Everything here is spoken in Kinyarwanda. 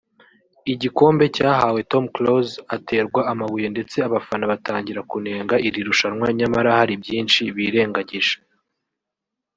igikombe cyahawe Tom Close aterwa amabuye ndetse abafana batangira kunenga iri rushanwa nyamara hari byinshi birengagije